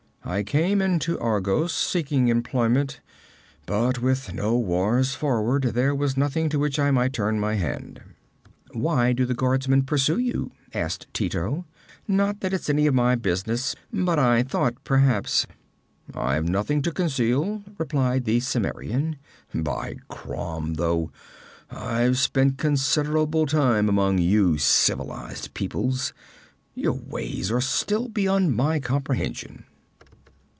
'I came into Argos seeking employment, but with no wars forward, there was nothing to which I might turn my hand.' 'Why do the guardsmen pursue you?' asked Tito. 'Not that it's any of my business, but I thought perhaps ' 'I've nothing to conceal,' replied the Cimmerian. 'By Crom, though I've spent considerable time among you civilized peoples, your ways are still beyond my comprehension.